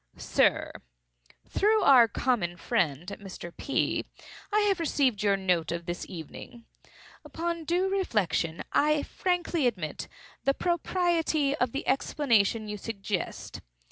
"SIR,—Through our common friend, Mr. P., I have received your note of this evening. Upon due reflection I frankly admit the propriety of the explanation you suggest.